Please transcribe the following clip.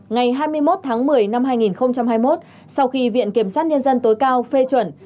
ngày hai mươi một tháng một mươi năm hai nghìn hai mươi một sau khi viện kiểm sát nhân dân tối cao phê chuẩn